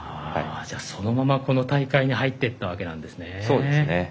そのまま、その大会に入っていたわけなんですね。